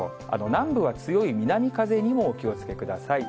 南部は強い南風にもお気をつけください。